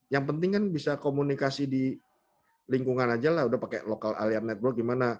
yang penting kan bisa komunikasi di lingkungan aja lah udah pakai lokal alian network gimana